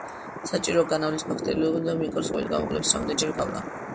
საჭიროა განავლის ბაქტერიოლოგიური და მიკროსკოპული გამოკვლევის რამდენიმეჯერ გავლა.